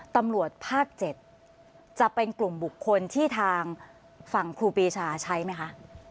ตำรวจภาค๗จะเป็นกลุ่มบุคคลที่ทางฝั่งครูปีชาใช้ไหมคะ